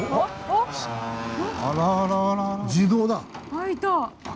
開いた！